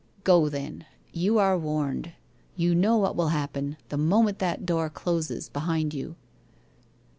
' Go then. You are warned. You know what will happen, the moment that door closes behind you?'